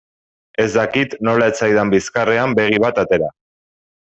Ez dakit nola ez zaidan bizkarrean begi bat atera.